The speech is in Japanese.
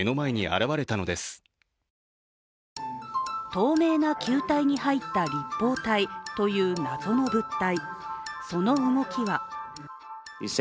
透明な球体に入った立方体、という謎の物体。